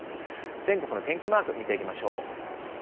全国の天気マーク見ていきましょう。